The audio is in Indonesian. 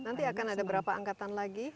nanti akan ada berapa angkatan lagi